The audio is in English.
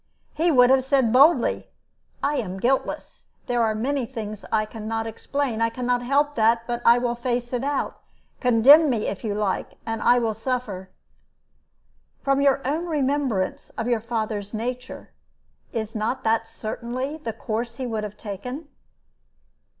He would have said, boldly, 'I am guiltless; there are many things that I can not explain; I can not help that; I will face it out. Condemn me, if you like, and I will suffer.' From your own remembrance of your father's nature, is not that certainly the course he would have taken?"